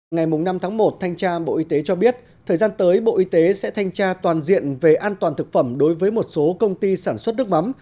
ngày năm tháng một thanh tra bộ y tế cho biết thời gian tới bộ y tế sẽ thanh tra toàn diện về an toàn thực phẩm đối với một số công ty sản xuất nước mắm